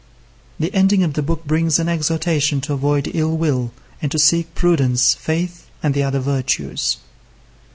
The ending of the book brings an exhortation to avoid ill will, and to seek prudence, faith, and the other virtues.